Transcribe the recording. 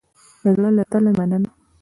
د زړه له تله مننه